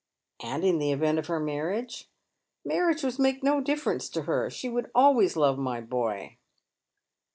" And in the event of her marriage "" Marriage would make no difference in her. She would always love my boy."